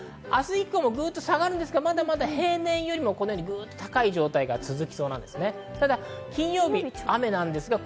明日以降も下がるんですが、まだまだ平年よりもずっと高い状態が続きそうなんです。